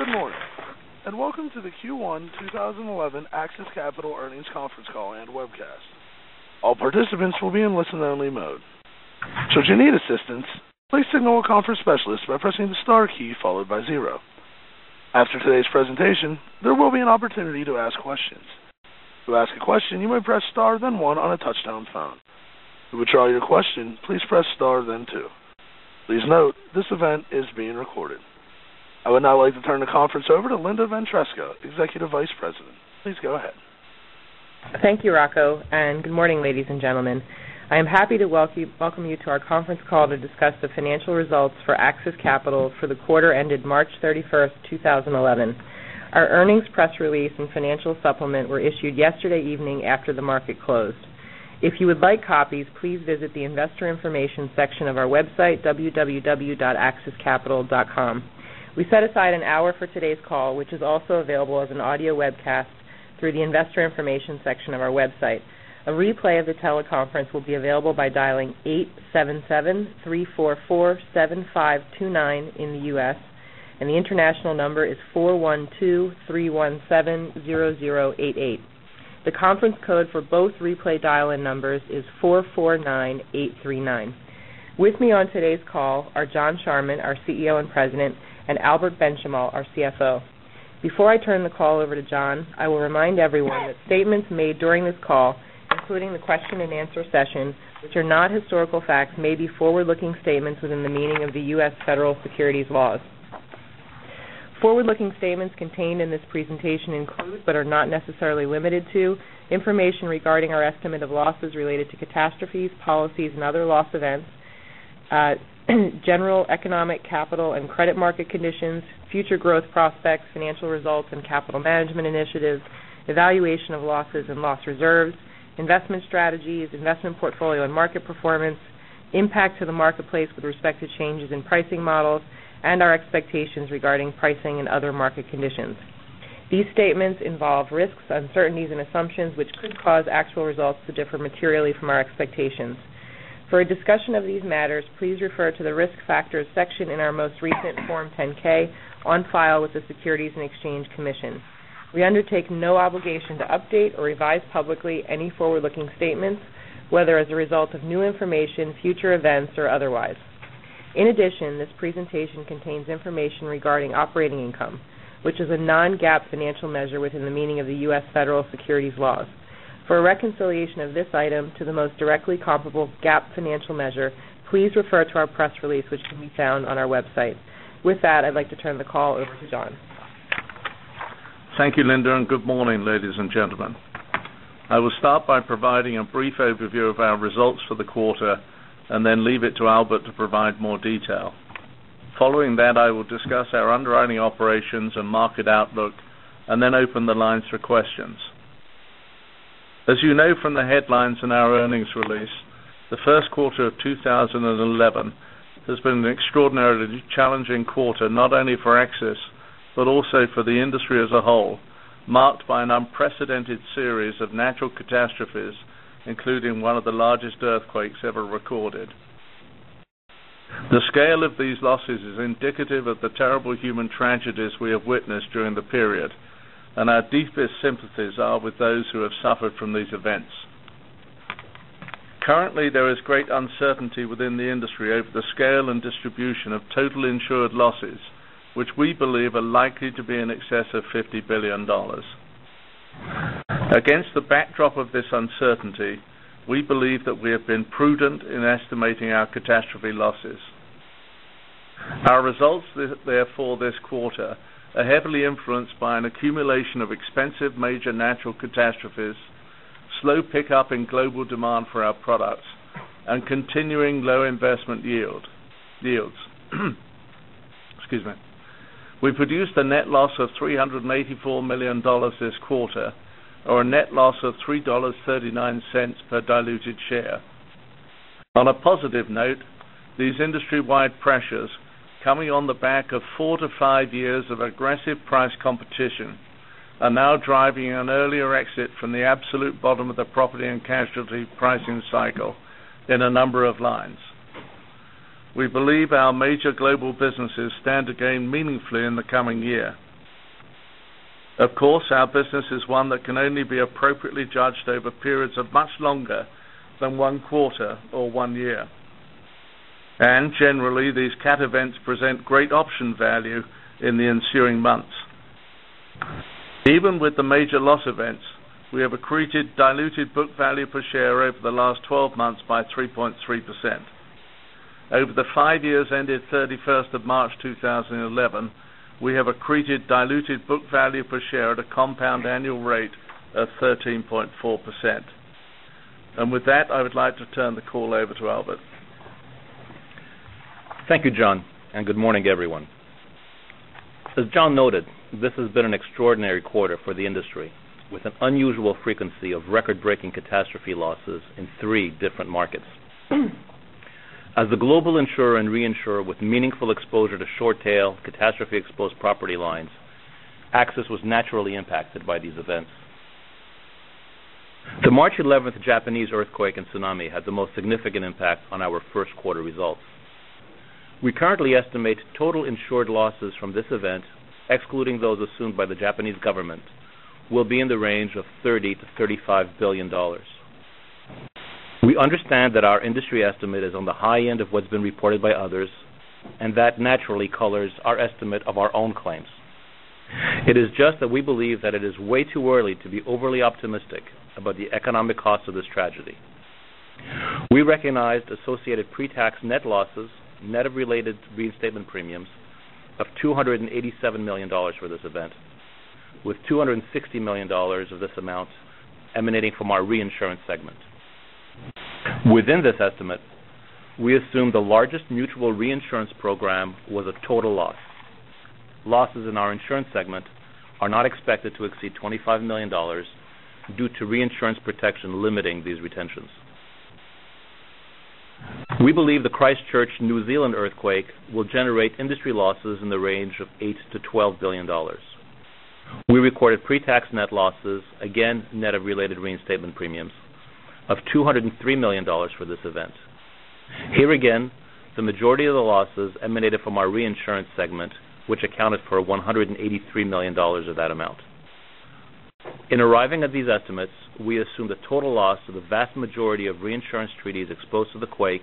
Good morning, welcome to the Q1 2011 AXIS Capital earnings conference call and webcast. All participants will be in listen only mode. Should you need assistance, please signal a conference specialist by pressing the star key followed by zero. After today's presentation, there will be an opportunity to ask questions. To ask a question, you may press star then one on a touchtone phone. To withdraw your question, please press star then two. Please note, this event is being recorded. I would now like to turn the conference over to Linda Ventresca, Executive Vice President. Please go ahead. Thank you, Rocco, good morning, ladies and gentlemen. I am happy to welcome you to our conference call to discuss the financial results for AXIS Capital for the quarter ended March 31st, 2011. Our earnings press release and financial supplement were issued yesterday evening after the market closed. If you would like copies, please visit the investor information section of our website, www.axiscapital.com. We set aside an hour for today's call, which is also available as an audio webcast through the investor information section of our website. A replay of the teleconference will be available by dialing 877-344-7529 in the U.S., the international number is 412-317-0088. The conference code for both replay dial-in numbers is 449839. With me on today's call are John Charman, our CEO and President, Albert Benchimol, our CFO. Before I turn the call over to John, I will remind everyone that statements made during this call, including the question and answer session, which are not historical facts, may be forward-looking statements within the meaning of the U.S. federal securities laws. Forward-looking statements contained in this presentation include, are not necessarily limited to, information regarding our estimate of losses related to catastrophes, policies, and other loss events, general economic capital and credit market conditions, future growth prospects, financial results, and capital management initiatives, evaluation of losses and loss reserves, investment strategies, investment portfolio and market performance, impact to the marketplace with respect to changes in pricing models, our expectations regarding pricing and other market conditions. These statements involve risks, uncertainties, and assumptions which could cause actual results to differ materially from our expectations. For a discussion of these matters, please refer to the risk factors section in our most recent Form 10-K on file with the Securities and Exchange Commission. We undertake no obligation to update or revise publicly any forward-looking statements, whether as a result of new information, future events, or otherwise. In addition, this presentation contains information regarding operating income, which is a non-GAAP financial measure within the meaning of the U.S. federal securities laws. For a reconciliation of this item to the most directly comparable GAAP financial measure, please refer to our press release, which can be found on our website. With that, I'd like to turn the call over to John. Thank you, Linda, and good morning, ladies and gentlemen. I will start by providing a brief overview of our results for the quarter and then leave it to Albert to provide more detail. Following that, I will discuss our underwriting operations and market outlook and then open the lines for questions. As you know from the headlines in our earnings release, the first quarter of 2011 has been an extraordinarily challenging quarter, not only for AXIS, but also for the industry as a whole, marked by an unprecedented series of natural catastrophes, including one of the largest earthquakes ever recorded. The scale of these losses is indicative of the terrible human tragedies we have witnessed during the period, and our deepest sympathies are with those who have suffered from these events. Currently, there is great uncertainty within the industry over the scale and distribution of total insured losses, which we believe are likely to be in excess of $50 billion. Against the backdrop of this uncertainty, we believe that we have been prudent in estimating our catastrophe losses. Our results, therefore, this quarter are heavily influenced by an accumulation of expensive major natural catastrophes, slow pickup in global demand for our products, and continuing low investment yields. We produced a net loss of $384 million this quarter or a net loss of $3.39 per diluted share. On a positive note, these industry-wide pressures, coming on the back of four to five years of aggressive price competition, are now driving an earlier exit from the absolute bottom of the property and casualty pricing cycle in a number of lines. We believe our major global businesses stand to gain meaningfully in the coming year. Of course, our business is one that can only be appropriately judged over periods of much longer than one quarter or one year. Generally, these cat events present great option value in the ensuing months. Even with the major loss events, we have accreted diluted book value per share over the last 12 months by 3.3%. Over the five years ended 31st of March 2011, we have accreted diluted book value per share at a compound annual rate of 13.4%. With that, I would like to turn the call over to Albert. Thank you, John, and good morning, everyone. As John noted, this has been an extraordinary quarter for the industry with an unusual frequency of record-breaking catastrophe losses in three different markets. As a global insurer and reinsurer with meaningful exposure to short tail catastrophe exposed property lines, AXIS was naturally impacted by these events The March 11th Japanese earthquake and tsunami had the most significant impact on our first quarter results. We currently estimate total insured losses from this event, excluding those assumed by the Japanese government, will be in the range of $30 billion-$35 billion. We understand that our industry estimate is on the high end of what's been reported by others, and that naturally colors our estimate of our own claims. It is just that we believe that it is way too early to be overly optimistic about the economic cost of this tragedy. We recognized associated pre-tax net losses, net of related reinstatement premiums, of $287 million for this event, with $260 million of this amount emanating from our reinsurance segment. Within this estimate, we assumed the largest mutual reinsurance program was a total loss. Losses in our insurance segment are not expected to exceed $25 million due to reinsurance protection limiting these retentions. We believe the Christchurch, New Zealand earthquake will generate industry losses in the range of $8 billion-$12 billion. We recorded pre-tax net losses, again, net of related reinstatement premiums of $203 million for this event. Here again, the majority of the losses emanated from our reinsurance segment, which accounted for $183 million of that amount. In arriving at these estimates, we assumed a total loss of the vast majority of reinsurance treaties exposed to the quake,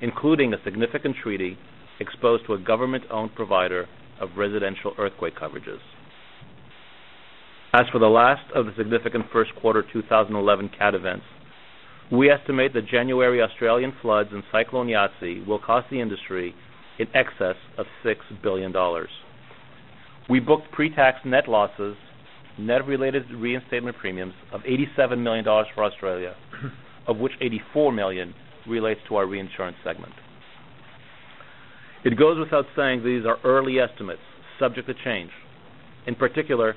including a significant treaty exposed to a government-owned provider of residential earthquake coverages. As for the last of the significant first quarter 2011 cat events, we estimate the January Australian floods and Cyclone Yasi will cost the industry in excess of $6 billion. We booked pre-tax net losses, net of related reinstatement premiums of $87 million for Australia, of which $84 million relates to our reinsurance segment. It goes without saying these are early estimates subject to change. In particular,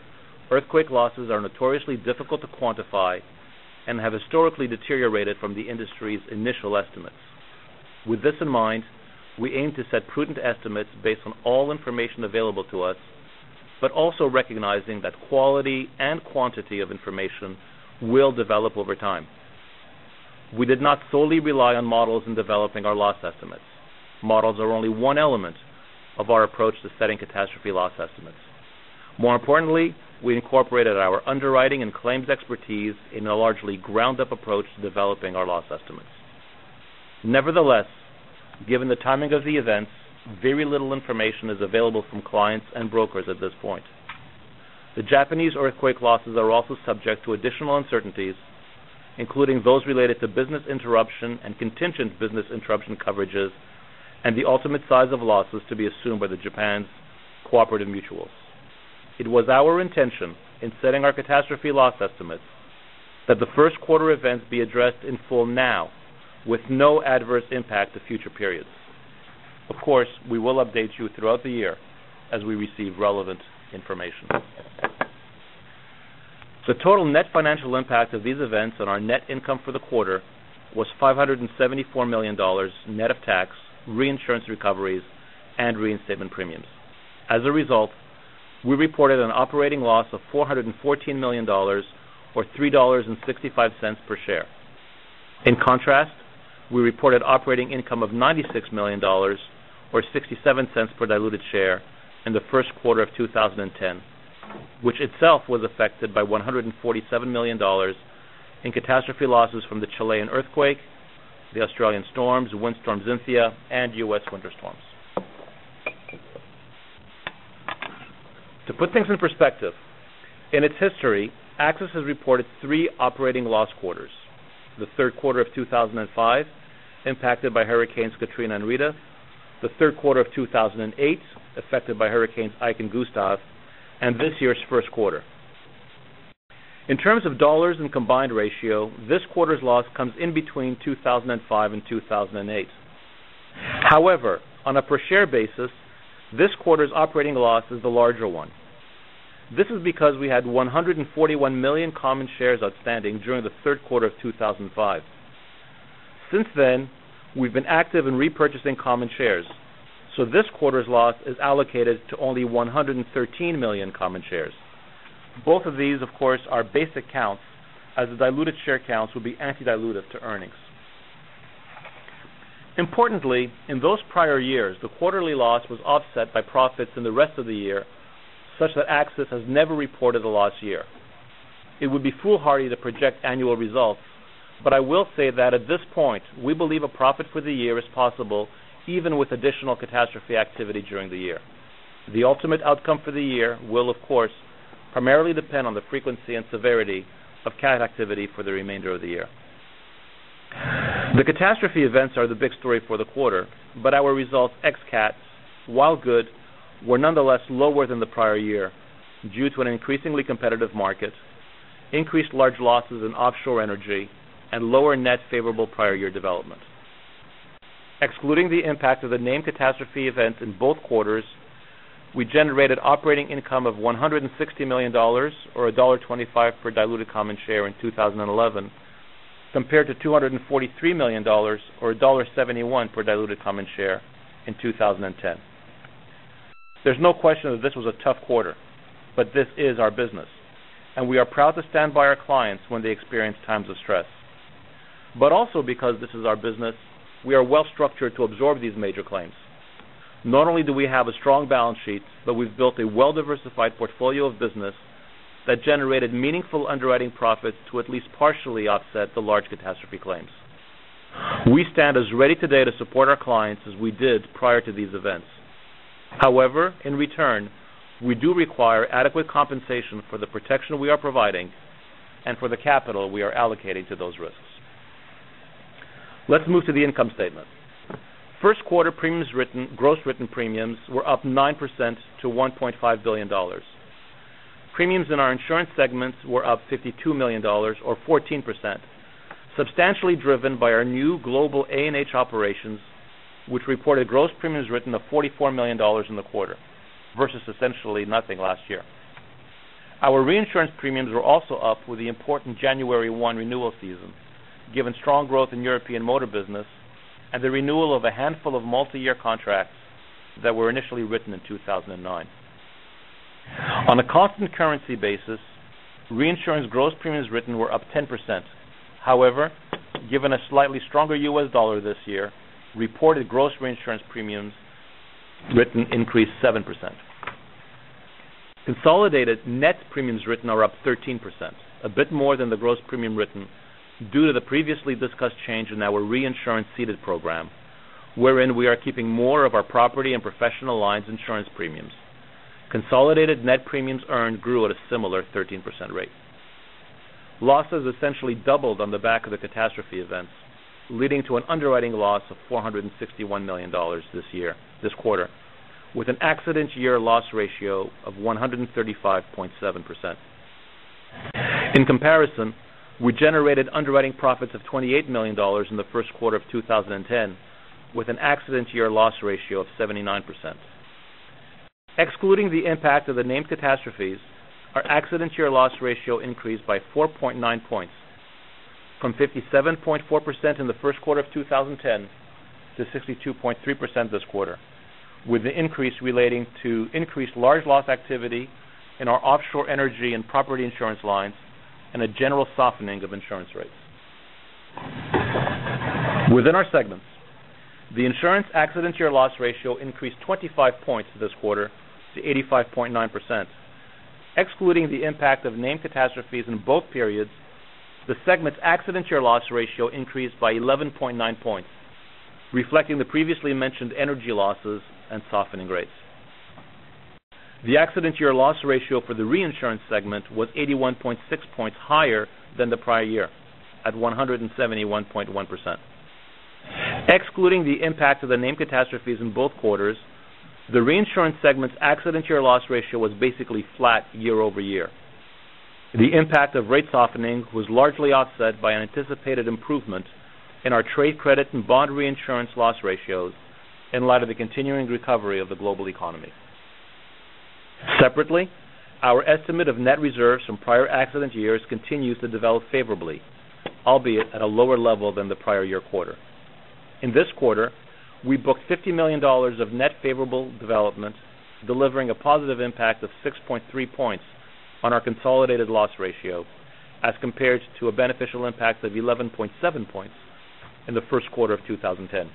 earthquake losses are notoriously difficult to quantify and have historically deteriorated from the industry's initial estimates. With this in mind, we aim to set prudent estimates based on all information available to us, but also recognizing that quality and quantity of information will develop over time. We did not solely rely on models in developing our loss estimates. Models are only one element of our approach to setting catastrophe loss estimates. More importantly, we incorporated our underwriting and claims expertise in a largely ground-up approach to developing our loss estimates. Nevertheless, given the timing of the events, very little information is available from clients and brokers at this point. The Japanese earthquake losses are also subject to additional uncertainties, including those related to business interruption and contingent business interruption coverages, and the ultimate size of losses to be assumed by the Japan's cooperative mutuals. It was our intention in setting our catastrophe loss estimates that the first quarter events be addressed in full now with no adverse impact to future periods. Of course, we will update you throughout the year as we receive relevant information. The total net financial impact of these events on our net income for the quarter was $574 million net of tax, reinsurance recoveries, and reinstatement premiums. As a result, we reported an operating loss of $414 million or $3.65 per share. We reported operating income of $96 million or $0.67 per diluted share in the first quarter of 2010, which itself was affected by $147 million in catastrophe losses from the Chilean earthquake, the Australian storms, windstorm Xynthia, and U.S. winter storms. To put things in perspective, in its history, AXIS has reported three operating loss quarters. The third quarter of 2005 impacted by Hurricane Katrina and Hurricane Rita, the third quarter of 2008 affected by Hurricane Ike and Hurricane Gustav, and this year's first quarter. In terms of dollars and combined ratio, this quarter's loss comes in between 2005 and 2008. On a per share basis, this quarter's operating loss is the larger one. This is because we had 141 million common shares outstanding during the third quarter of 2005. Since then, we've been active in repurchasing common shares. This quarter's loss is allocated to only 113 million common shares. Both of these, of course, are basic counts as the diluted share counts would be anti-dilutive to earnings. In those prior years, the quarterly loss was offset by profits in the rest of the year, such that AXIS has never reported a loss year. It would be foolhardy to project annual results, I will say that at this point, we believe a profit for the year is possible even with additional catastrophe activity during the year. The ultimate outcome for the year will, of course, primarily depend on the frequency and severity of cat activity for the remainder of the year. The catastrophe events are the big story for the quarter, our results ex cats, while good, were nonetheless lower than the prior year due to an increasingly competitive market, increased large losses in offshore energy, and lower net favorable prior year development. Excluding the impact of the named catastrophe events in both quarters, we generated operating income of $160 million or $1.25 per diluted common share in 2011, compared to $243 million or $1.71 per diluted common share in 2010. There's no question that this was a tough quarter, this is our business and we are proud to stand by our clients when they experience times of stress. Also because this is our business, we are well-structured to absorb these major claims. Not only do we have a strong balance sheet, we've built a well-diversified portfolio of business that generated meaningful underwriting profits to at least partially offset the large catastrophe claims. We stand as ready today to support our clients as we did prior to these events. In return, we do require adequate compensation for the protection we are providing and for the capital we are allocating to those risks. Let's move to the income statement. First quarter gross written premiums were up 9% to $1.5 billion. Premiums in our insurance segments were up $52 million or 14%, substantially driven by our new global A&H operations, which reported gross premiums written of $44 million in the quarter versus essentially nothing last year. Our reinsurance premiums were also up with the important January 1 renewal season, given strong growth in European motor business and the renewal of a handful of multi-year contracts that were initially written in 2009. On a constant currency basis, reinsurance gross premiums written were up 10%. However, given a slightly stronger U.S. dollar this year, reported gross reinsurance premiums written increased 7%. Consolidated net premiums written are up 13%, a bit more than the gross premium written due to the previously discussed change in our reinsurance ceded program, wherein we are keeping more of our property and professional lines insurance premiums. Consolidated net premiums earned grew at a similar 13% rate. Losses essentially doubled on the back of the catastrophe events, leading to an underwriting loss of $461 million this quarter with an accident year loss ratio of 135.7%. In comparison, we generated underwriting profits of $28 million in the first quarter of 2010 with an accident year loss ratio of 79%. Excluding the impact of the named catastrophes, our accident year loss ratio increased by 4.9 points from 57.4% in the first quarter of 2010 to 62.3% this quarter, with the increase relating to increased large loss activity in our offshore energy and property insurance lines and a general softening of insurance rates. Within our segments, the insurance accident year loss ratio increased 25 points this quarter to 85.9%. Excluding the impact of named catastrophes in both periods, the segment's accident year loss ratio increased by 11.9 points, reflecting the previously mentioned energy losses and softening rates. The accident year loss ratio for the reinsurance segment was 81.6 points higher than the prior year at 171.1%. Excluding the impact of the named catastrophes in both quarters, the reinsurance segment's accident year loss ratio was basically flat year-over-year. The impact of rate softening was largely offset by an anticipated improvement in our trade credit and bond reinsurance loss ratios in light of the continuing recovery of the global economy. Separately, our estimate of net reserves from prior accident years continues to develop favorably, albeit at a lower level than the prior year quarter. In this quarter, we booked $50 million of net favorable development, delivering a positive impact of 6.3 points on our consolidated loss ratio as compared to a beneficial impact of 11.7 points in the first quarter of 2010.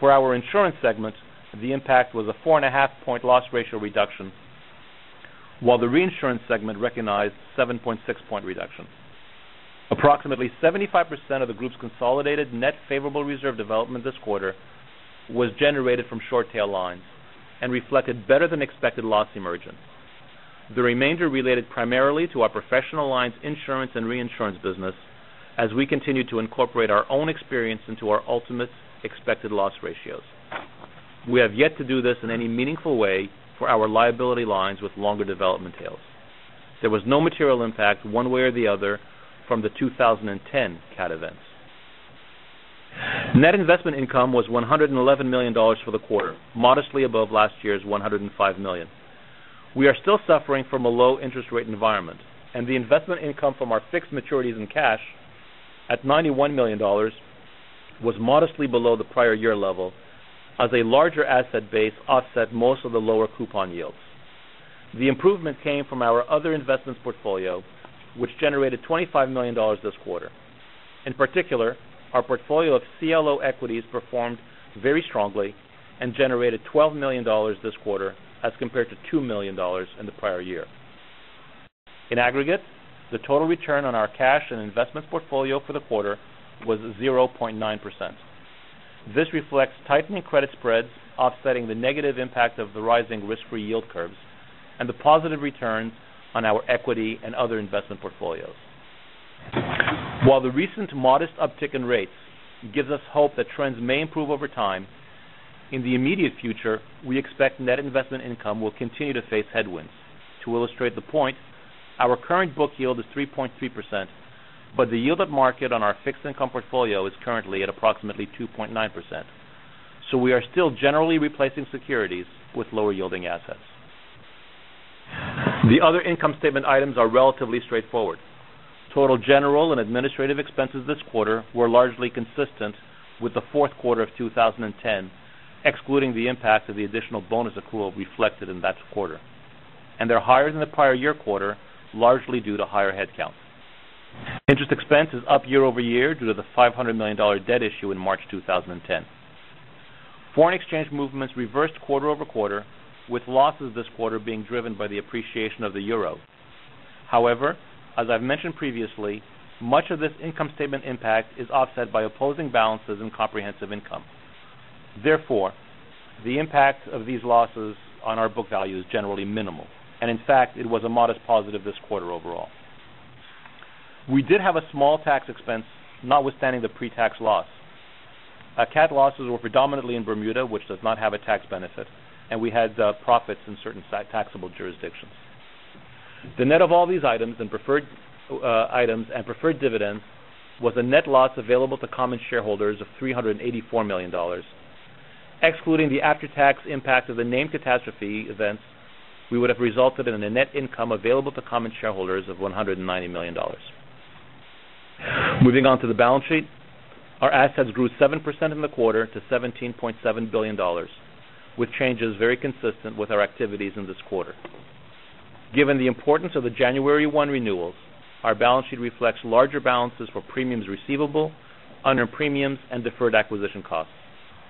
For our insurance segment, the impact was a four and a half point loss ratio reduction, while the reinsurance segment recognized 7.6 point reduction. Approximately 75% of the group's consolidated net favorable reserve development this quarter was generated from short tail lines and reflected better than expected loss emergence. The remainder related primarily to our professional lines insurance and reinsurance business as we continue to incorporate our own experience into our ultimate expected loss ratios. We have yet to do this in any meaningful way for our liability lines with longer development tails. There was no material impact one way or the other from the 2010 cat events. Net investment income was $111 million for the quarter, modestly above last year's $105 million. We are still suffering from a low interest rate environment, and the investment income from our fixed maturities in cash at $91 million was modestly below the prior year level as a larger asset base offset most of the lower coupon yields. The improvement came from our other investments portfolio, which generated $25 million this quarter. In particular, our portfolio of CLO equities performed very strongly and generated $12 million this quarter as compared to $2 million in the prior year. In aggregate, the total return on our cash and investment portfolio for the quarter was 0.9%. This reflects tightening credit spreads offsetting the negative impact of the rising risk-free yield curves and the positive return on our equity and other investment portfolios. While the recent modest uptick in rates gives us hope that trends may improve over time, in the immediate future, we expect net investment income will continue to face headwinds. To illustrate the point, our current book yield is 3.3%, but the yield at market on our fixed income portfolio is currently at approximately 2.9%. We are still generally replacing securities with lower yielding assets. The other income statement items are relatively straightforward. Total general and administrative expenses this quarter were largely consistent with the fourth quarter of 2010, excluding the impact of the additional bonus accrual reflected in that quarter. They're higher than the prior year quarter, largely due to higher headcount. Interest expense is up year-over-year due to the $500 million debt issue in March 2010. Foreign exchange movements reversed quarter-over-quarter, with losses this quarter being driven by the appreciation of the euro. However, as I've mentioned previously, much of this income statement impact is offset by opposing balances in comprehensive income. Therefore, the impact of these losses on our book value is generally minimal, and in fact, it was a modest positive this quarter overall. We did have a small tax expense, notwithstanding the pre-tax loss. Our cat losses were predominantly in Bermuda, which does not have a tax benefit, and we had profits in certain taxable jurisdictions. The net of all these items and preferred dividends was a net loss available to common shareholders of $384 million. Excluding the after-tax impact of the named catastrophe events, we would have resulted in a net income available to common shareholders of $190 million. Moving on to the balance sheet, our assets grew 7% in the quarter to $17.7 billion, with changes very consistent with our activities in this quarter. Given the importance of the January 1 renewals, our balance sheet reflects larger balances for premiums receivable, earned premiums, and deferred acquisition costs.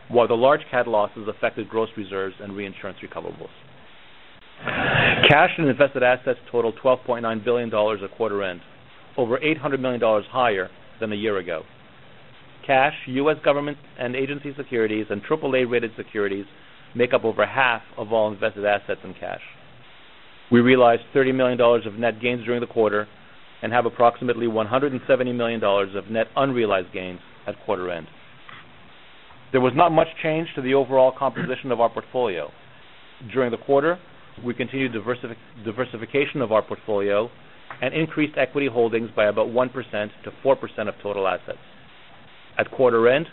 While the large cat losses affected gross reserves and reinsurance recoverables, cash and invested assets totaled $12.9 billion at quarter end, over $800 million higher than a year ago. Cash, U.S. government and agency securities, and AAA-rated securities make up over half of all invested assets and cash. We realized $30 million of net gains during the quarter and have approximately $170 million of net unrealized gains at quarter end. There was not much change to the overall composition of our portfolio. During the quarter, we continued diversification of our portfolio and increased equity holdings by about 1%-4% of total assets. At quarter end,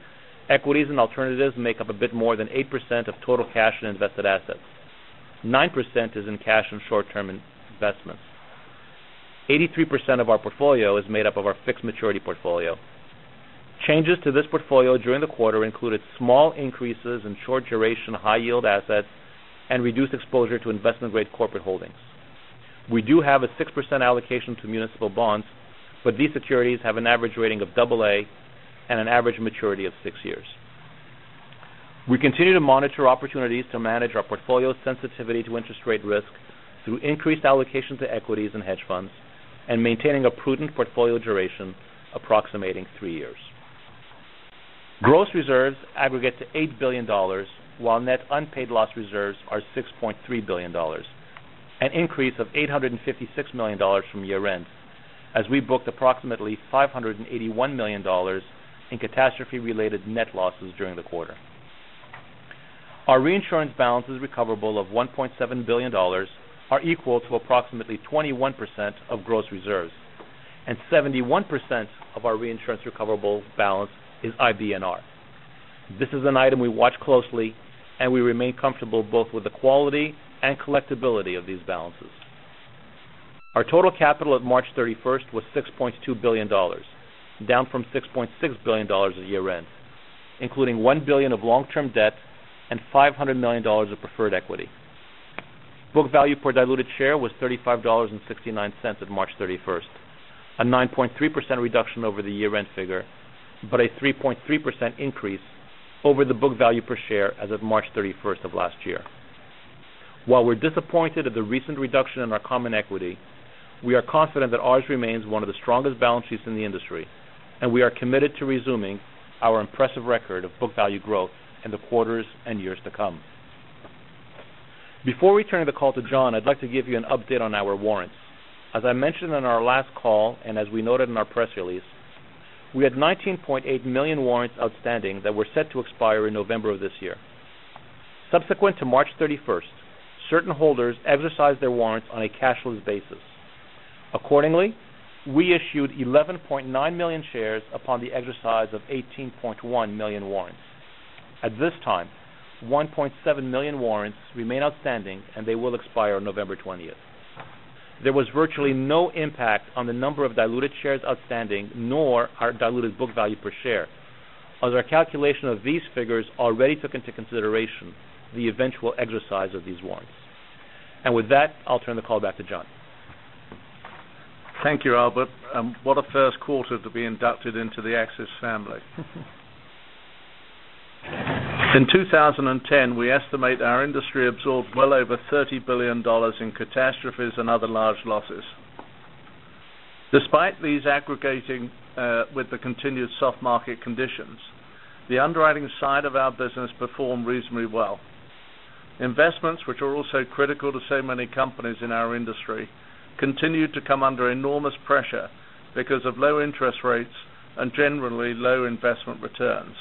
equities and alternatives make up a bit more than 8% of total cash and invested assets. 9% is in cash and short-term investments. 83% of our portfolio is made up of our fixed maturity portfolio. Changes to this portfolio during the quarter included small increases in short duration, high yield assets, and reduced exposure to investment-grade corporate holdings. We do have a 6% allocation to municipal bonds, but these securities have an average rating of double A and an average maturity of six years. We continue to monitor opportunities to manage our portfolio sensitivity to interest rate risk through increased allocation to equities and hedge funds and maintaining a prudent portfolio duration approximating three years. Gross reserves aggregate to $8 billion, while net unpaid loss reserves are $6.3 billion, an increase of $856 million from year end as we booked approximately $581 million in catastrophe-related net losses during the quarter. Our reinsurance balances recoverable of $1.7 billion are equal to approximately 21% of gross reserves, and 71% of our reinsurance recoverable balance is IBNR. This is an item we watch closely, and we remain comfortable both with the quality and collectibility of these balances. Our total capital at March 31st was $6.2 billion, down from $6.6 billion at year end, including $1 billion of long-term debt and $500 million of preferred equity. Book value per diluted share was $35.69 at March 31st, a 9.3% reduction over the year-end figure, but a 3.3% increase over the book value per share as of March 31st of last year. While we're disappointed at the recent reduction in our common equity, we are confident that ours remains one of the strongest balance sheets in the industry, and we are committed to resuming our impressive record of book value growth in the quarters and years to come. Before we turn the call to John, I'd like to give you an update on our warrants. As I mentioned on our last call, and as we noted in our press release, we had 19.8 million warrants outstanding that were set to expire in November of this year. Subsequent to March 31st, certain holders exercised their warrants on a cashless basis. Accordingly, we issued 11.9 million shares upon the exercise of 18.1 million warrants. At this time, 1.7 million warrants remain outstanding, and they will expire on November 20th. There was virtually no impact on the number of diluted shares outstanding, nor our diluted book value per share, as our calculation of these figures already took into consideration the eventual exercise of these warrants. With that, I'll turn the call back to John. Thank you, Albert. What a first quarter to be inducted into the AXIS family. In 2010, we estimate our industry absorbed well over $30 billion in catastrophes and other large losses. Despite these aggregating with the continued soft market conditions, the underwriting side of our business performed reasonably well. Investments, which are also critical to so many companies in our industry, continued to come under enormous pressure because of low interest rates and generally low investment returns.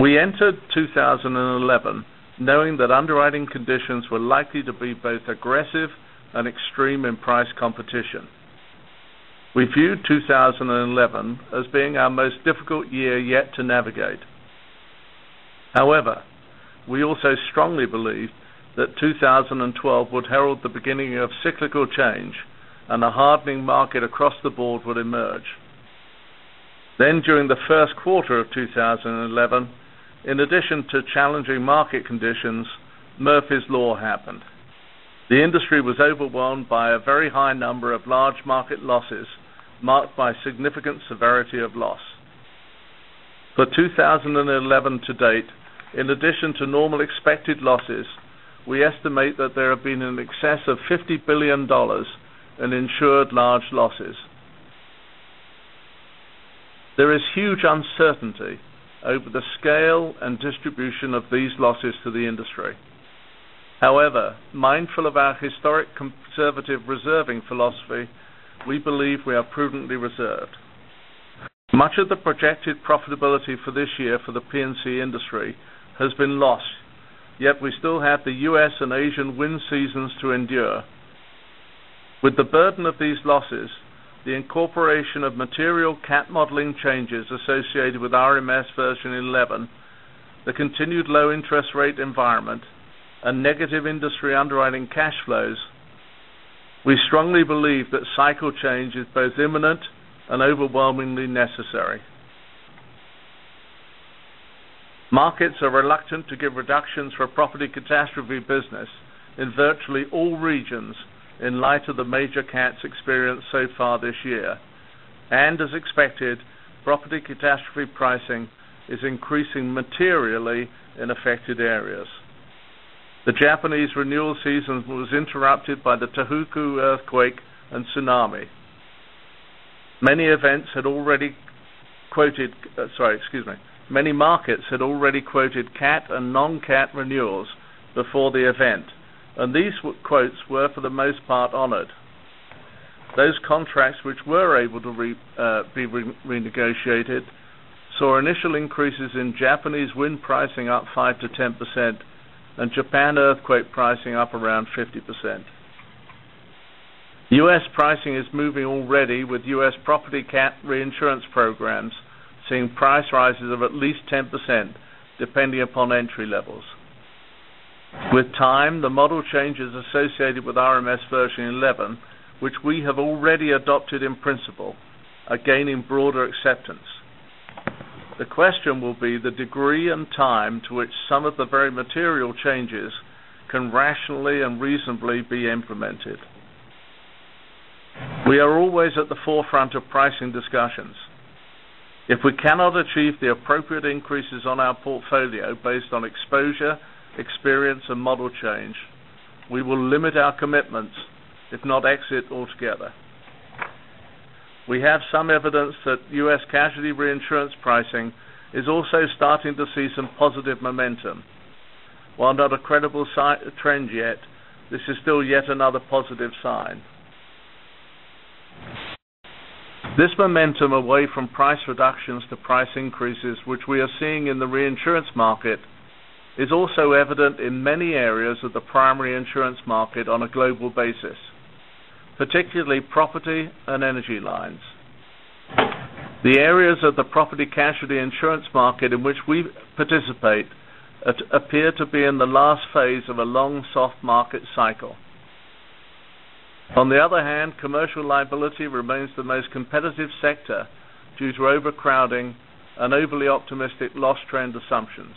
We entered 2011 knowing that underwriting conditions were likely to be both aggressive and extreme in price competition. We viewed 2011 as being our most difficult year yet to navigate. However, we also strongly believed that 2012 would herald the beginning of cyclical change, and a hardening market across the board would emerge. During the first quarter of 2011, in addition to challenging market conditions, Murphy's Law happened. The industry was overwhelmed by a very high number of large market losses, marked by significant severity of loss. For 2011 to date, in addition to normal expected losses, we estimate that there have been in excess of $50 billion in insured large losses. There is huge uncertainty over the scale and distribution of these losses to the industry. However, mindful of our historic conservative reserving philosophy, we believe we are prudently reserved. Much of the projected profitability for this year for the P&C industry has been lost, yet we still have the U.S. and Asian wind seasons to endure. With the burden of these losses, the incorporation of material cat modeling changes associated with RMS version 11, the continued low interest rate environment, and negative industry underwriting cash flows, we strongly believe that cycle change is both imminent and overwhelmingly necessary. Markets are reluctant to give reductions for property catastrophe business in virtually all regions in light of the major cats experienced so far this year. As expected, property catastrophe pricing is increasing materially in affected areas. The Japanese renewal season was interrupted by the Tohoku earthquake and tsunami. Many markets had already quoted cat and non-cat renewals before the event, and these quotes were for the most part honored. Those contracts which were able to be renegotiated saw initial increases in Japanese wind pricing up 5%-10% and Japan earthquake pricing up around 50%. U.S. pricing is moving already with U.S. property cat reinsurance programs seeing price rises of at least 10%, depending upon entry levels. With time, the model changes associated with RMS version 11, which we have already adopted in principle, are gaining broader acceptance. The question will be the degree and time to which some of the very material changes can rationally and reasonably be implemented. We are always at the forefront of pricing discussions. If we cannot achieve the appropriate increases on our portfolio based on exposure, experience, and model change, we will limit our commitments, if not exit altogether. We have some evidence that U.S. casualty reinsurance pricing is also starting to see some positive momentum. While not a credible trend yet, this is still yet another positive sign. This momentum away from price reductions to price increases, which we are seeing in the reinsurance market, is also evident in many areas of the primary insurance market on a global basis, particularly property and energy lines. The areas of the property casualty insurance market in which we participate appear to be in the last phase of a long soft market cycle. On the other hand, commercial liability remains the most competitive sector due to overcrowding and overly optimistic loss trend assumptions.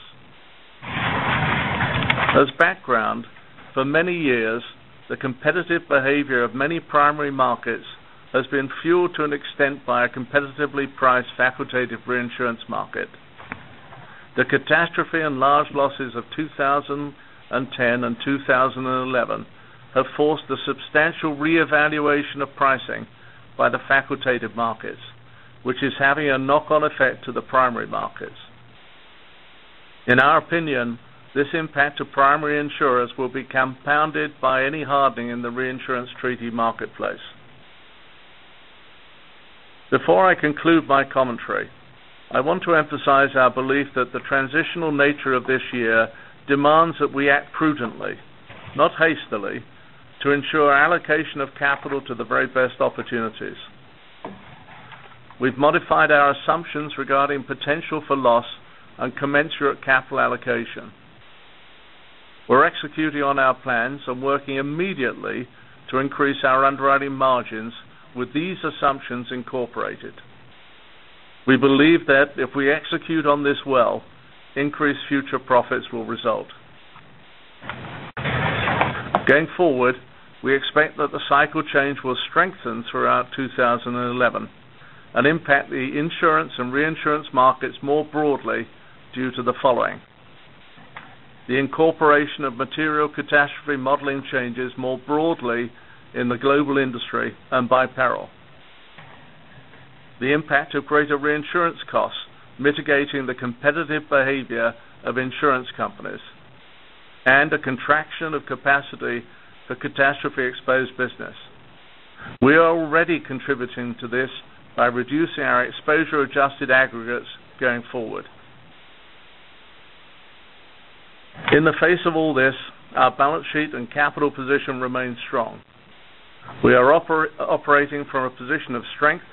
As background, for many years, the competitive behavior of many primary markets has been fueled to an extent by a competitively priced facultative reinsurance market. The catastrophe and large losses of 2010 and 2011 have forced a substantial reevaluation of pricing by the facultative markets, which is having a knock-on effect to the primary markets. Before I conclude my commentary, I want to emphasize our belief that the transitional nature of this year demands that we act prudently, not hastily, to ensure allocation of capital to the very best opportunities. We've modified our assumptions regarding potential for loss and commensurate capital allocation. We're executing on our plans and working immediately to increase our underwriting margins with these assumptions incorporated. We believe that if we execute on this well, increased future profits will result. Going forward, we expect that the cycle change will strengthen throughout 2011 and impact the insurance and reinsurance markets more broadly due to the following: The incorporation of material catastrophe modeling changes more broadly in the global industry on a by-peril. The impact of greater reinsurance costs mitigating the competitive behavior of insurance companies. A contraction of capacity for catastrophe-exposed business. We are already contributing to this by reducing our exposure-adjusted aggregates going forward. In the face of all this, our balance sheet and capital position remains strong. We are operating from a position of strength,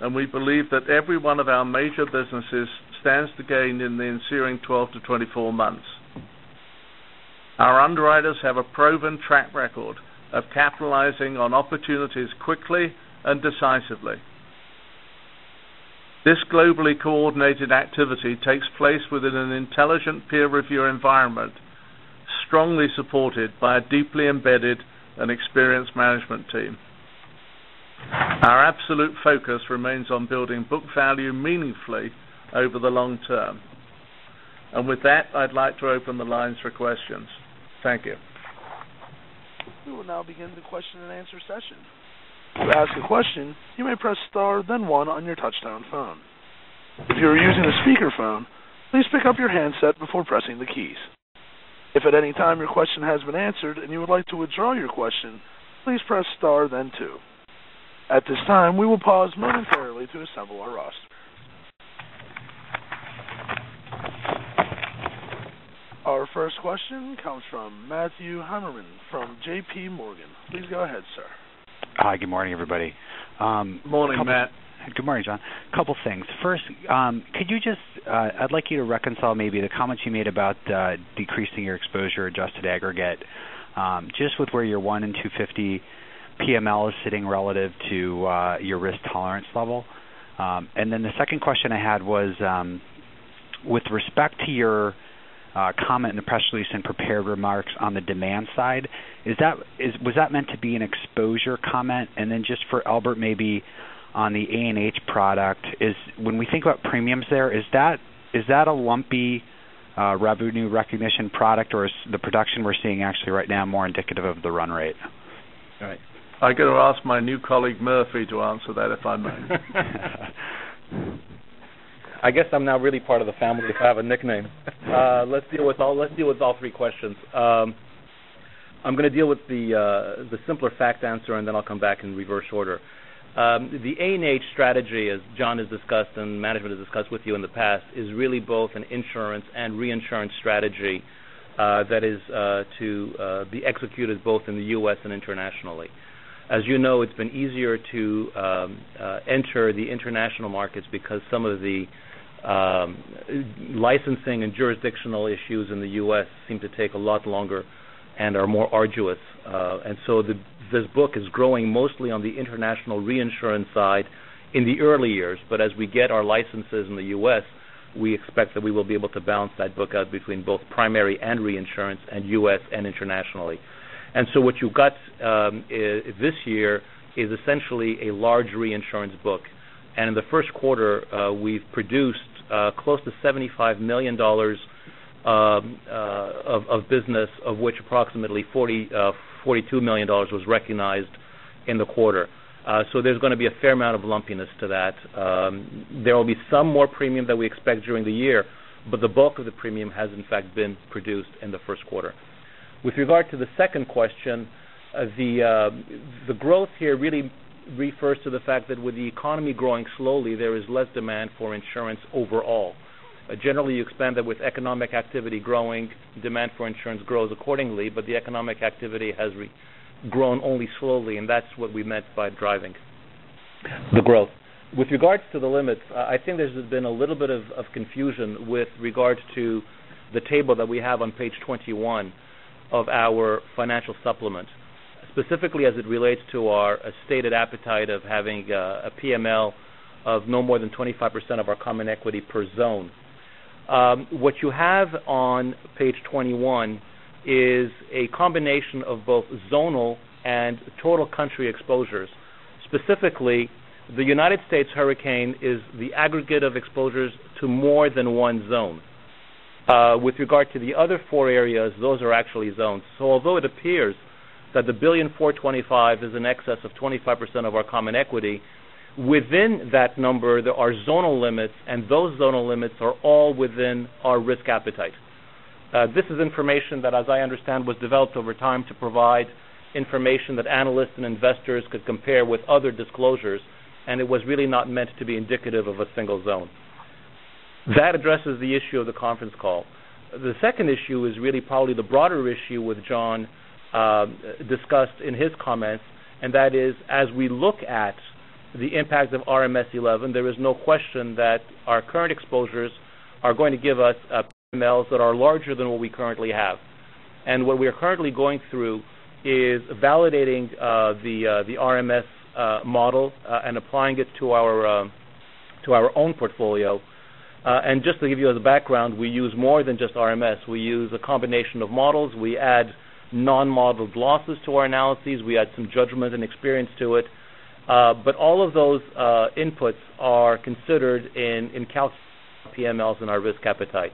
and we believe that every one of our major businesses stands to gain in the ensuing 12 to 24 months. Our underwriters have a proven track record of capitalizing on opportunities quickly and decisively. This globally coordinated activity takes place within an intelligent peer review environment, strongly supported by a deeply embedded and experienced management team. Our absolute focus remains on building book value meaningfully over the long term. With that, I'd like to open the lines for questions. Thank you. We will now begin the question and answer session. To ask a question, you may press star then one on your touchtone phone. If you are using a speakerphone, please pick up your handset before pressing the keys. If at any time your question has been answered and you would like to withdraw your question, please press star then two. At this time, we will pause momentarily to assemble our roster. Our first question comes from Matthew Heimermann from J.P. Morgan. Please go ahead, sir. Hi, good morning, everybody. Morning, Matt. Good morning, John. Couple things. First, I'd like you to reconcile maybe the comments you made about decreasing your exposure adjusted aggregate just with where your one-in-250 PML is sitting relative to your risk tolerance level. The second question I had was, with respect to your comment in the press release and prepared remarks on the demand side, was that meant to be an exposure comment? Just for Albert, maybe on the A&H product is when we think about premiums there, is that a lumpy revenue recognition product or is the production we're seeing actually right now more indicative of the run rate? All right. I'm going to ask my new colleague, Murphy, to answer that, if I may. I guess I'm now really part of the family if I have a nickname. Let's deal with all three questions. I'm going to deal with the simpler fact answer, I'll come back in reverse order. The A&H strategy, as John has discussed and management has discussed with you in the past, is really both an insurance and reinsurance strategy that is to be executed both in the U.S. and internationally. As you know, it's been easier to enter the international markets because some of the licensing and jurisdictional issues in the U.S. seem to take a lot longer and are more arduous. This book is growing mostly on the international reinsurance side in the early years. As we get our licenses in the U.S., we expect that we will be able to balance that book out between both primary and reinsurance and U.S. and internationally. What you got this year is essentially a large reinsurance book. In the first quarter, we've produced close to $75 million of business, of which approximately $42 million was recognized in the quarter. There's going to be a fair amount of lumpiness to that. There will be some more premium that we expect during the year, but the bulk of the premium has in fact been produced in the first quarter. With regard to the second question, the growth here really refers to the fact that with the economy growing slowly, there is less demand for insurance overall. Generally, you expand that with economic activity growing, demand for insurance grows accordingly, but the economic activity has grown only slowly, and that's what we meant by driving the growth. With regards to the limits, I think there's been a little bit of confusion with regards to the table that we have on page 21 of our financial supplement, specifically as it relates to our stated appetite of having a PML of no more than 25% of our common equity per zone. What you have on page 21 is a combination of both zonal and total country exposures. Specifically, the United States hurricane is the aggregate of exposures to more than one zone. With regard to the other four areas, those are actually zones. Although it appears that the $1.425 billion is in excess of 25% of our common equity, within that number, there are zonal limits, and those zonal limits are all within our risk appetite. This is information that, as I understand, was developed over time to provide information that analysts and investors could compare with other disclosures, it was really not meant to be indicative of a single zone. That addresses the issue of the conference call. The second issue is really probably the broader issue with John discussed in his comments, that is as we look at the impact of RMS 11, there is no question that our current exposures are going to give us PMLs that are larger than what we currently have. What we are currently going through is validating the RMS model and applying it to our own portfolio. Just to give you a background, we use more than just RMS. We use a combination of models. We add non-modeled losses to our analyses. We add some judgment and experience to it. All of those inputs are considered in calculating our PMLs and our risk appetite.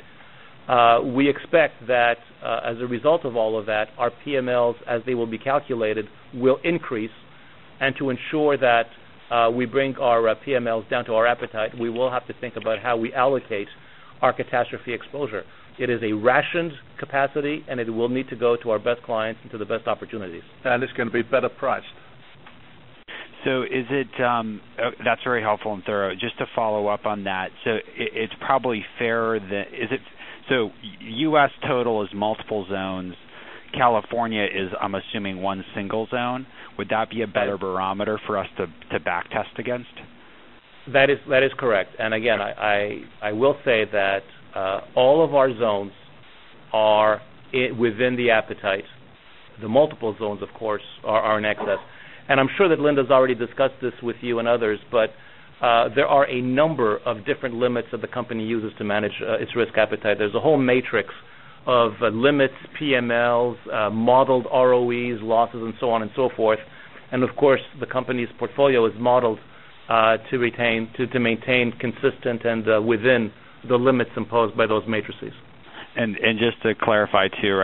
We expect that as a result of all of that, our PMLs, as they will be calculated, will increase. To ensure that we bring our PMLs down to our appetite, we will have to think about how we allocate our catastrophe exposure. It is a rationed capacity, it will need to go to our best clients and to the best opportunities. It's going to be better priced. That's very helpful and thorough. Just to follow up on that, it's probably fairer than U.S. total is multiple zones. California is, I'm assuming, one single zone. Would that be a better barometer for us to back test against? That is correct. Again, I will say that all of our zones are within the appetite. The multiple zones, of course, are in excess. I'm sure that Linda's already discussed this with you and others, there are a number of different limits that the company uses to manage its risk appetite. There's a whole matrix of limits, PMLs, modeled ROEs, losses, and so on and so forth. Of course, the company's portfolio is modeled to maintain consistent and within the limits imposed by those matrices. Just to clarify too,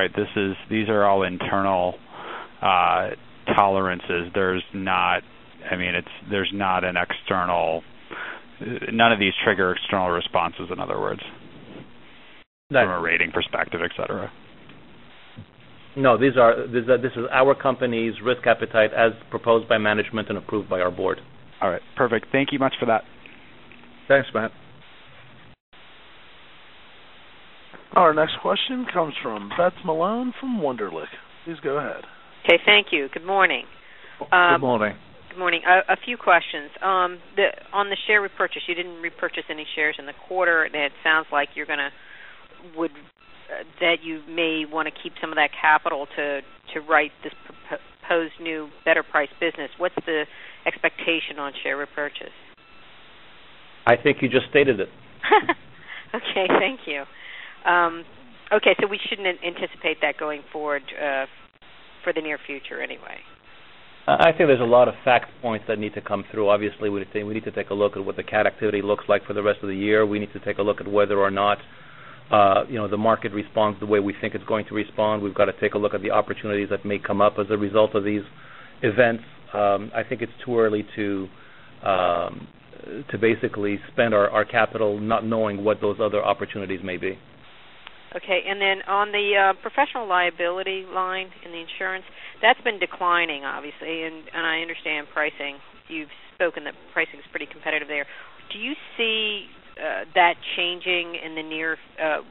these are all internal tolerances. None of these trigger external responses, in other words. Right. From a rating perspective, et cetera. No, this is our company's risk appetite as proposed by management and approved by our board. All right, perfect. Thank you much for that. Thanks, Matt. Our next question comes from Beth Malone from Wunderlich. Please go ahead. Okay, thank you. Good morning. Good morning. Good morning. A few questions. On the share repurchase, you didn't repurchase any shares in the quarter, and it sounds like that you may want to keep some of that capital to write this proposed new better price business. What's the expectation on share repurchase? I think you just stated it. Okay, thank you. Okay, we shouldn't anticipate that going forward for the near future anyway. I think there's a lot of fact points that need to come through. Obviously, we're saying we need to take a look at what the cat activity looks like for the rest of the year. We need to take a look at whether or not the market responds the way we think it's going to respond. We've got to take a look at the opportunities that may come up as a result of these events. I think it's too early to basically spend our capital not knowing what those other opportunities may be. Okay. Then on the professional liability line in the insurance, that's been declining, obviously, and I understand pricing. You've spoken that pricing is pretty competitive there. Do you see that changing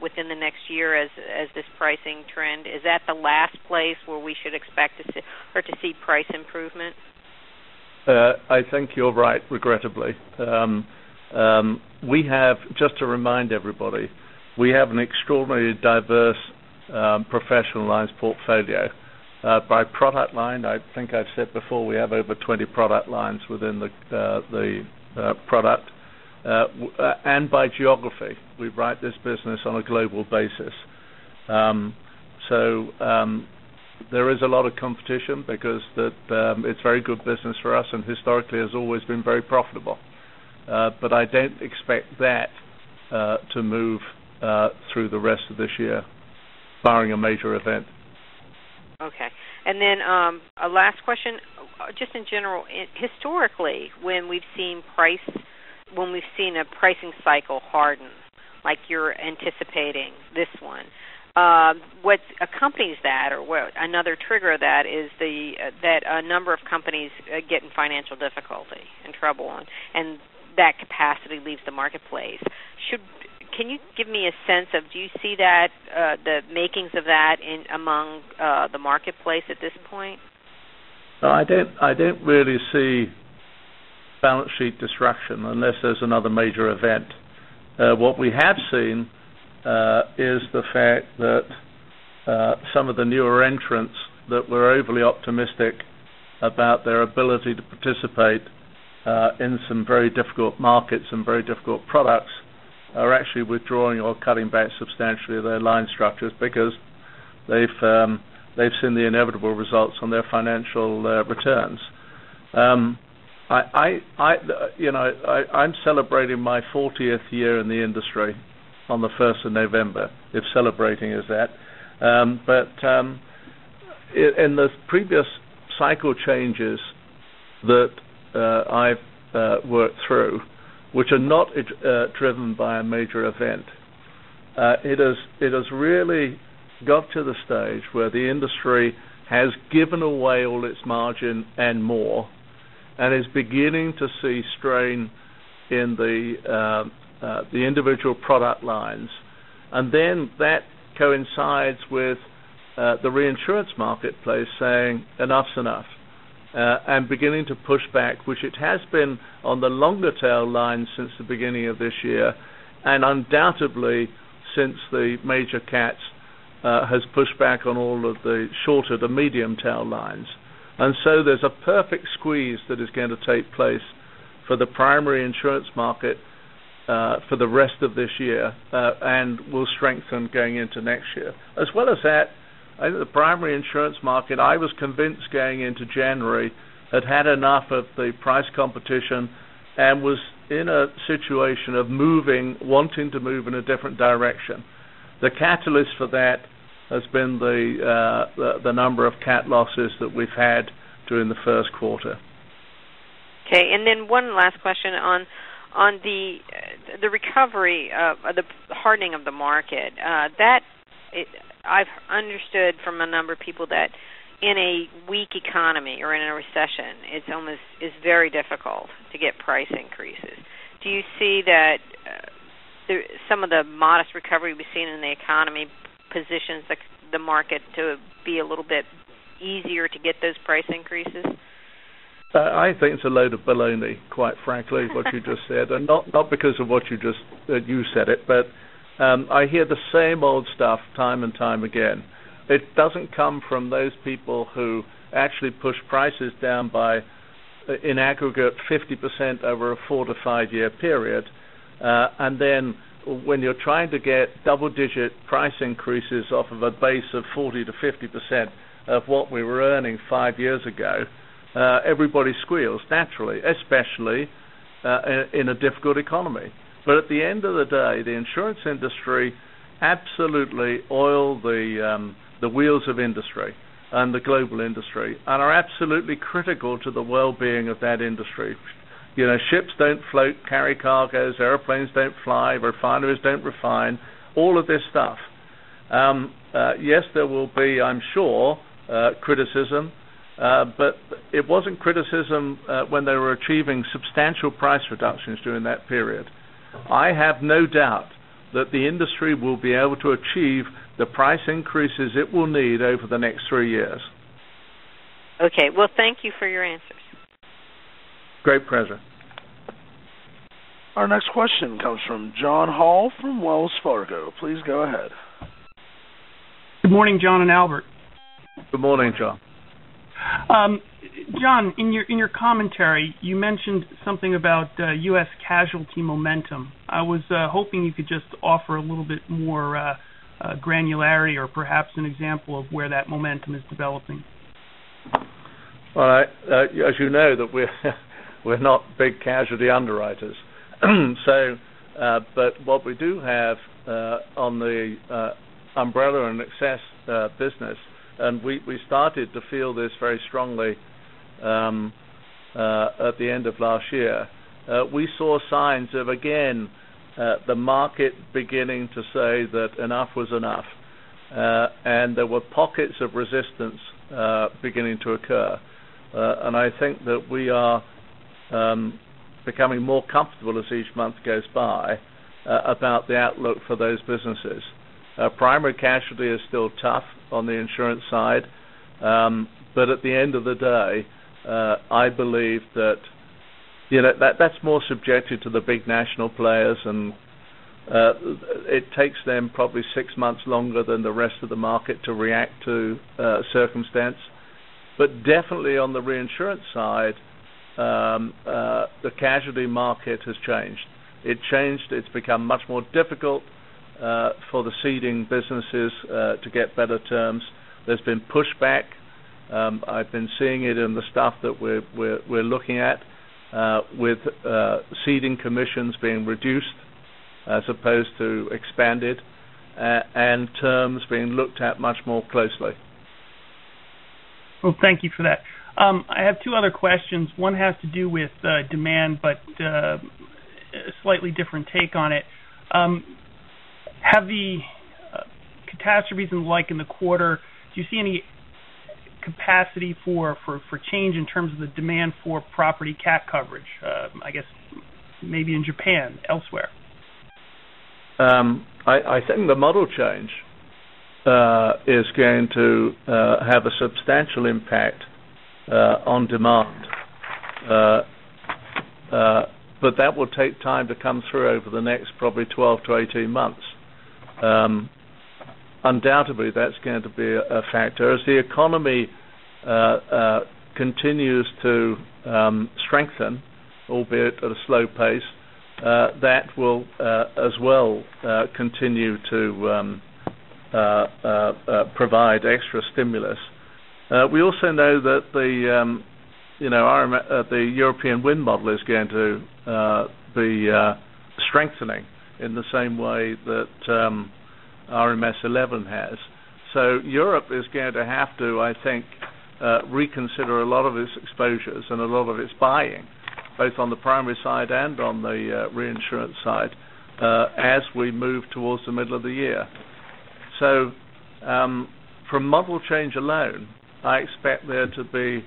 within the next year as this pricing trend? Is that the last place where we should expect to see price improvements? I think you're right, regrettably. Just to remind everybody, we have an extraordinarily diverse professional lines portfolio. By product line, I think I've said before, we have over 20 product lines within the product. By geography, we write this business on a global basis. There is a lot of competition because it's very good business for us and historically has always been very profitable. I don't expect that to move through the rest of this year, barring a major event. Okay. A last question. Just in general, historically, when we've seen a pricing cycle harden, like you're anticipating this one, what accompanies that or another trigger of that is that a number of companies get in financial difficulty and trouble, and that capacity leaves the marketplace. Can you give me a sense of, do you see the makings of that among the marketplace at this point? No, I don't really see balance sheet disruption unless there's another major event. What we have seen is the fact that some of the newer entrants that were overly optimistic about their ability to participate in some very difficult markets and very difficult products are actually withdrawing or cutting back substantially their line structures because they've seen the inevitable results on their financial returns. I'm celebrating my 40th year in the industry on the 1st of November, if celebrating is that. In the previous cycle changes that I've worked through, which are not driven by a major event, it has really got to the stage where the industry has given away all its margin and more and is beginning to see strain in the individual product lines. That coincides with the reinsurance marketplace saying enough's enough and beginning to push back, which it has been on the longer tail line since the beginning of this year, and undoubtedly since the major cats has pushed back on all of the shorter to medium tail lines. There's a perfect squeeze that is going to take place for the primary insurance market for the rest of this year and will strengthen going into next year. As well as that, I think the primary insurance market, I was convinced going into January, had had enough of the price competition and was in a situation of wanting to move in a different direction. The catalyst for that has been the number of cat losses that we've had during the first quarter. Okay. Then one last question on the recovery of the hardening of the market. That I've understood from a number of people that in a weak economy or in a recession, it's very difficult to get price increases. Do you see that some of the modest recovery we've seen in the economy positions the market to be a little bit easier to get those price increases? I think it's a load of baloney, quite frankly, what you just said, not because that you said it, but I hear the same old stuff time and time again. It doesn't come from those people who actually push prices down by, in aggregate, 50% over a four-to-five year period. Then when you're trying to get double-digit price increases off of a base of 40%-50% of what we were earning five years ago, everybody squeals naturally, especially in a difficult economy. At the end of the day, the insurance industry absolutely oil the wheels of industry, and the global industry, and are absolutely critical to the wellbeing of that industry. Ships don't float, carry cargoes, airplanes don't fly, refineries don't refine, all of this stuff. Yes, there will be, I'm sure, criticism, it wasn't criticism when they were achieving substantial price reductions during that period. I have no doubt that the industry will be able to achieve the price increases it will need over the next three years. Okay. Well, thank you for your answers. Great pleasure. Our next question comes from John Hall from Wells Fargo. Please go ahead. Good morning, John and Albert. Good morning, John. John, in your commentary, you mentioned something about U.S. casualty momentum. I was hoping you could just offer a little bit more granularity or perhaps an example of where that momentum is developing. Well, as you know, we're not big casualty underwriters. What we do have on the umbrella and excess business, we started to feel this very strongly at the end of last year. We saw signs of, again, the market beginning to say that enough was enough. There were pockets of resistance beginning to occur. I think that we are becoming more comfortable as each month goes by about the outlook for those businesses. Primary casualty is still tough on the insurance side. At the end of the day, I believe that's more subjected to the big national players, and it takes them probably six months longer than the rest of the market to react to circumstance. Definitely on the reinsurance side, the casualty market has changed. It changed. It's become much more difficult for the ceding businesses to get better terms. There's been pushback. I've been seeing it in the stuff that we're looking at with ceding commissions being reduced as opposed to expanded, terms being looked at much more closely. Well, thank you for that. I have two other questions. One has to do with demand, a slightly different take on it. Have the catastrophes and the like in the quarter, do you see any capacity for change in terms of the demand for property cat coverage? I guess maybe in Japan, elsewhere. I think the model change is going to have a substantial impact on demand. That will take time to come through over the next probably 12 to 18 months. Undoubtedly, that's going to be a factor. As the economy continues to strengthen, albeit at a slow pace, that will as well continue to provide extra stimulus. We also know that the European wind model is going to be strengthening in the same way that RMS 11 has. Europe is going to have to, I think, reconsider a lot of its exposures and a lot of its buying, both on the primary side and on the reinsurance side, as we move towards the middle of the year. From model change alone, I expect there to be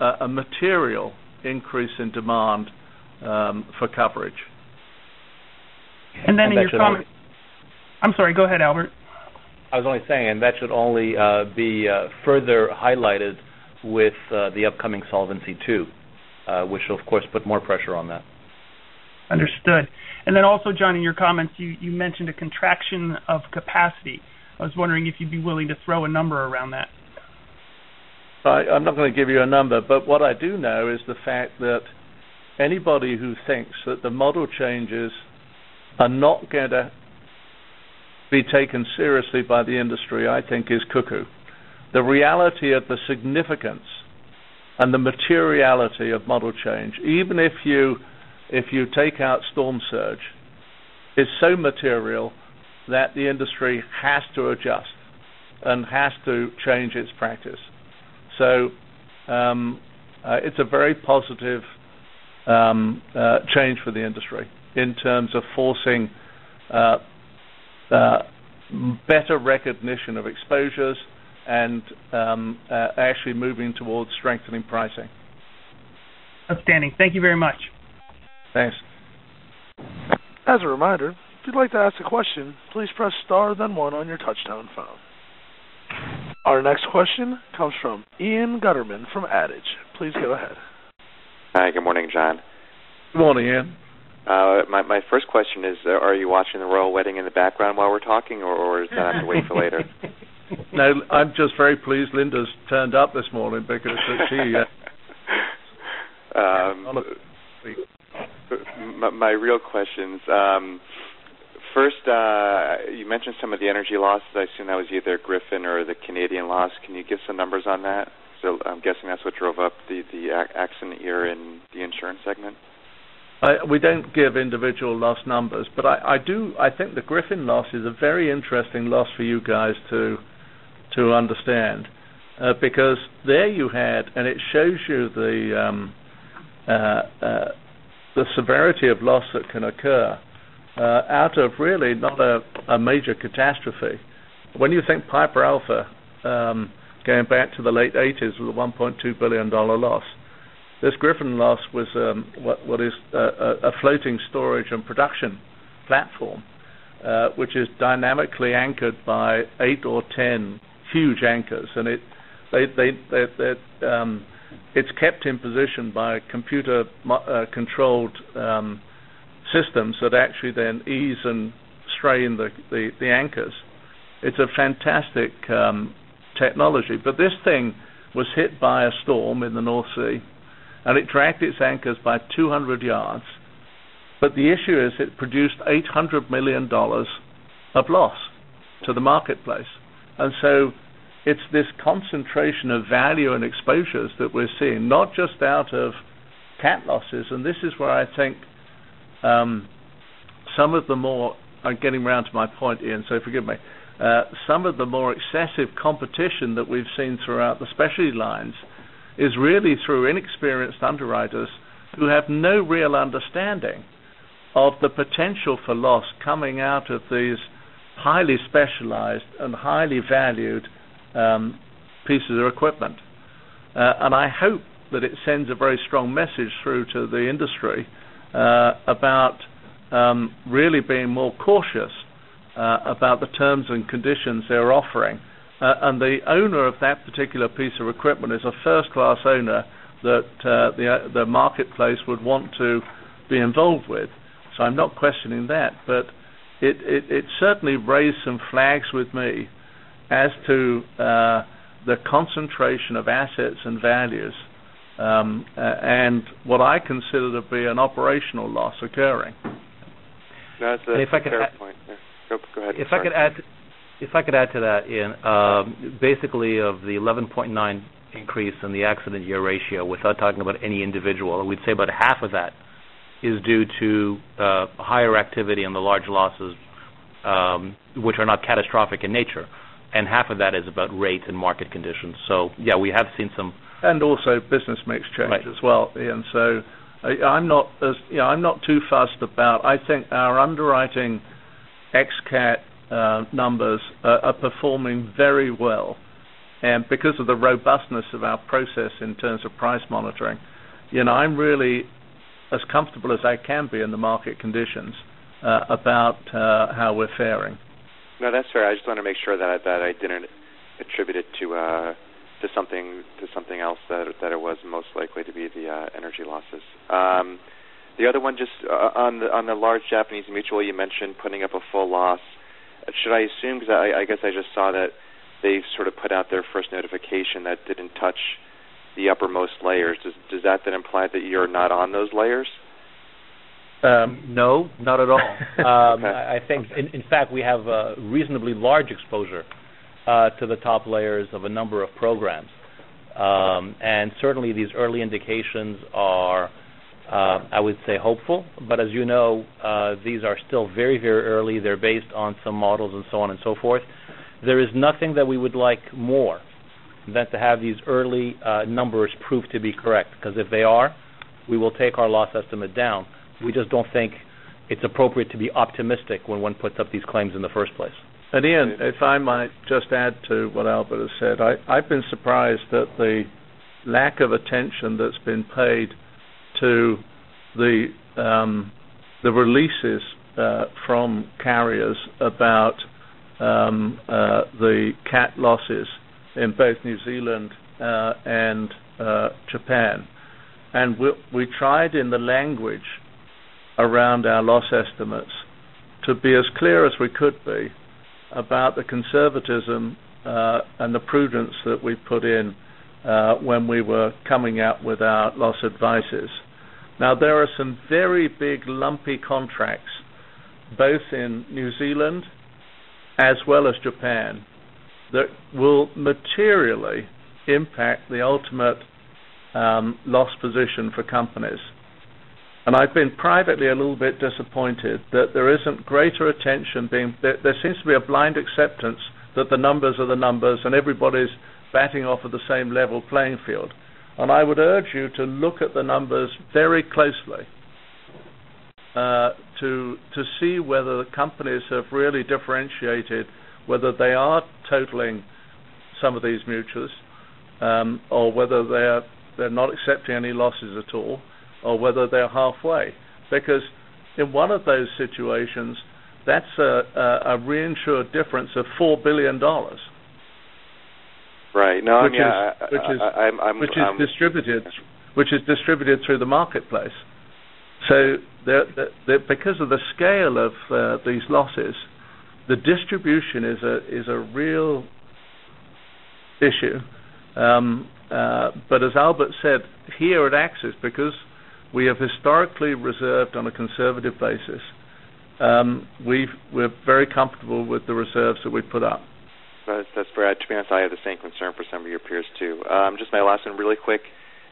a material increase in demand for coverage. I'm sorry. Go ahead, Albert. I was only saying, that should only be further highlighted with the upcoming Solvency II, which will of course put more pressure on that. Understood. Also, John, in your comments, you mentioned a contraction of capacity. I was wondering if you'd be willing to throw a number around that. I'm not going to give you a number, but what I do know is the fact that anybody who thinks that the model changes are not going to be taken seriously by the industry, I think is cuckoo. The reality of the significance and the materiality of model change, even if you take out storm surge, is so material that the industry has to adjust and has to change its practice. It's a very positive change for the industry in terms of forcing better recognition of exposures and actually moving towards strengthening pricing. Outstanding. Thank you very much. Thanks. As a reminder, if you'd like to ask a question, please press star, then one on your touch-tone phone. Our next question comes from Ian Gutterman from Adage. Please go ahead. Hi. Good morning, John. Good morning, Ian. My first question is, are you watching the royal wedding in the background while we're talking, or is that going to have to wait till later? No, I'm just very pleased Linda's turned up this morning because it's. My real question is, first, you mentioned some of the energy losses. I assume that was either Gryphon or the Canadian loss. Can you give some numbers on that? I'm guessing that's what drove up the accident year in the insurance segment. We don't give individual loss numbers. I think the Gryphon loss is a very interesting loss for you guys to understand because there you had, and it shows you the severity of loss that can occur out of really not a major catastrophe. When you think Piper Alpha going back to the late '80s with a $1.2 billion loss. This Gryphon loss was what is a floating storage and production platform, which is dynamically anchored by eight or 10 huge anchors, and it's kept in position by computer-controlled systems that actually then ease and strain the anchors. It's a fantastic technology. This thing was hit by a storm in the North Sea, and it dragged its anchors by 200 yards. The issue is it produced $800 million of loss to the marketplace. It's this concentration of value and exposures that we're seeing, not just out of cat losses. This is where I think some of the more I'm getting around to my point, Ian, so forgive me. Some of the more excessive competition that we've seen throughout the specialty lines is really through inexperienced underwriters who have no real understanding of the potential for loss coming out of these highly specialized and highly valued pieces of equipment. I hope that it sends a very strong message through to the industry about really being more cautious about the terms and conditions they're offering. The owner of that particular piece of equipment is a first-class owner that the marketplace would want to be involved with. I'm not questioning that. It certainly raised some flags with me as to the concentration of assets and values, and what I consider to be an operational loss occurring. No, that's a fair point. Go ahead. If I could add to that, Ian. Basically, of the 11.9 increase in the accident year ratio, without talking about any individual, we'd say about half of that is due to higher activity in the large losses, which are not catastrophic in nature. Half of that is about rates and market conditions. Yeah, we have seen Also business makes Right as well, Ian. I'm not too fussed about I think our underwriting ex cat numbers are performing very well. Because of the robustness of our process in terms of price monitoring, Ian, I'm really as comfortable as I can be in the market conditions about how we're faring. No, that's fair. I just want to make sure that I didn't attribute it to something else, that it was most likely to be the energy losses. The other one, just on the large Japanese mutual, you mentioned putting up a full loss. Should I assume, because I guess I just saw that they sort of put out their first notification that didn't touch the uppermost layers. Does that then imply that you're not on those layers? No, not at all. Okay. I think, in fact, we have a reasonably large exposure to the top layers of a number of programs. Certainly these early indications are, I would say, hopeful. As you know, these are still very, very early. They're based on some models and so on and so forth. There is nothing that we would like more than to have these early numbers prove to be correct, because if they are, we will take our loss estimate down. We just don't think it's appropriate to be optimistic when one puts up these claims in the first place. Ian, if I might just add to what Albert has said. I've been surprised that the lack of attention that's been paid to the releases from carriers about the cat losses in both New Zealand and Japan. We tried in the language around our loss estimates to be as clear as we could be about the conservatism and the prudence that we put in when we were coming out with our loss advices. Now, there are some very big lumpy contracts, both in New Zealand as well as Japan, that will materially impact the ultimate loss position for companies. I've been privately a little bit disappointed that there isn't greater attention being paid. There seems to be a blind acceptance that the numbers are the numbers, and everybody's batting off of the same level playing field. I would urge you to look at the numbers very closely to see whether the companies have really differentiated, whether they are totaling some of these mutuals, or whether they're not accepting any losses at all, or whether they're halfway. Because in one of those situations, that's a reinsured difference of $4 billion. Right. Which is distributed through the marketplace. Because of the scale of these losses, the distribution is a real issue. As Albert said, here at AXIS, because we have historically reserved on a conservative basis, we're very comfortable with the reserves that we've put up. That's fair. To be honest, I have the same concern for some of your peers, too. Just my last one really quick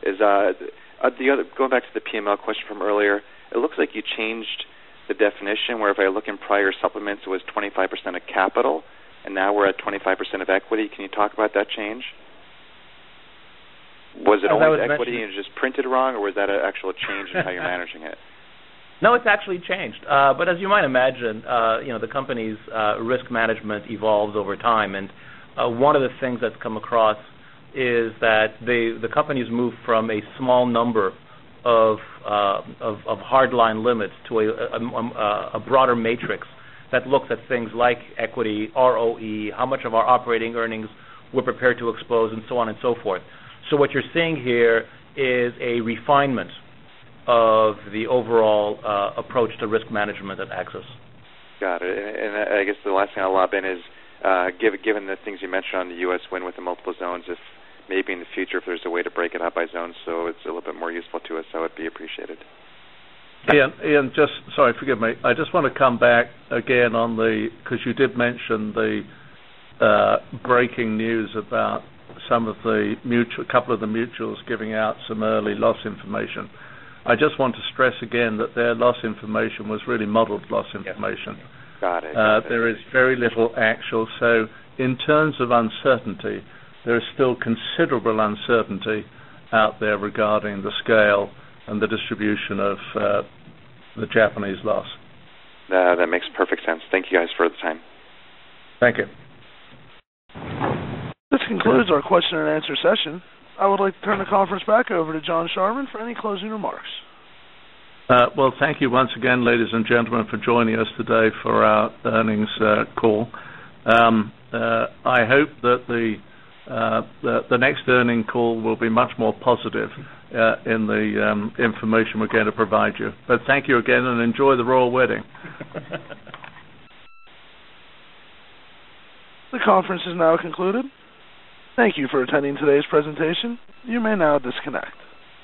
is, going back to the PML question from earlier, it looks like you changed the definition, where if I look in prior supplements, it was 25% of capital, and now we're at 25% of equity. Can you talk about that change? Was it only equity and it was just printed wrong, or was that an actual change in how you're managing it? No, it's actually changed. As you might imagine, the company's risk management evolves over time. One of the things that's come across is that the company's moved from a small number of hard-line limits to a broader matrix that looks at things like equity, ROE, how much of our operating earnings we're prepared to expose, and so on and so forth. What you're seeing here is a refinement of the overall approach to risk management at AXIS. Got it. I guess the last thing I'll lob in is, given the things you mentioned on the U.S. wind with the multiple zones, if maybe in the future there's a way to break it out by zone so it's a little bit more useful to us, that would be appreciated. Ian, just, sorry, forgive me. I just want to come back again because you did mention the breaking news about a couple of the mutuals giving out some early loss information. I just want to stress again that their loss information was really modeled loss information. Yes. Got it. There is very little actual. In terms of uncertainty, there is still considerable uncertainty out there regarding the scale and the distribution of the Japanese loss. That makes perfect sense. Thank you guys for the time. Thank you. This concludes our question and answer session. I would like to turn the conference back over to John Charman for any closing remarks. Well, thank you once again, ladies and gentlemen, for joining us today for our earnings call. I hope that the next earnings call will be much more positive in the information we're going to provide you. Thank you again, and enjoy the royal wedding. The conference is now concluded. Thank you for attending today's presentation. You may now disconnect.